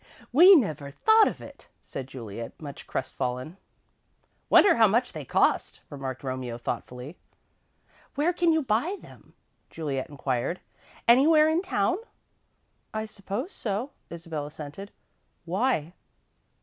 "We never thought of it," said Juliet, much crestfallen. "Wonder how much they cost," remarked Romeo, thoughtfully. "Where can you buy 'em?" Juliet inquired. "Anywhere in town?" "I suppose so," Isabel assented. "Why?"